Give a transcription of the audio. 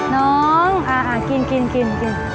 น้องอ่าอ่ากินกินกิน